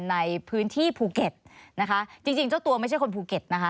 ในพื้นที่ภูเก็ตนะคะจริงจริงเจ้าตัวไม่ใช่คนภูเก็ตนะคะ